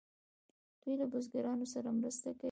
دوی له بزګرانو سره مرسته کوي.